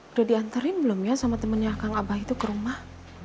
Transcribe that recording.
udah diantarin belum ya sama temennya kang abah itu ke rumah